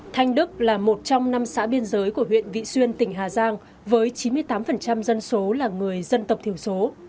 thanh đức là một trong năm xã biên giới của huyện vị xuyên tỉnh hà giang với chín mươi tám dân số là người dân tộc thiểu số